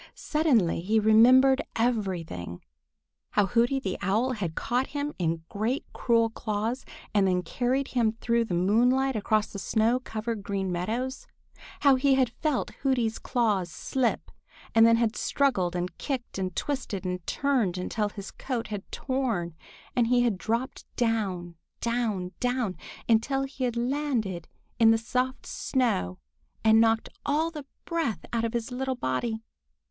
Suddenly he remembered everything: how Hooty the Owl had caught him in great cruel claws and had carried him through the moonlight across the snow covered Green Meadows; how he had felt Hooty's claws slip and then had struggled and kicked and twisted and turned until his coat had torn and he had dropped down, down, down until he had landed in the soft snow and knocked all the breath out of his little body.